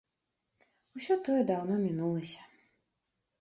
Усё тое даўно мінулася.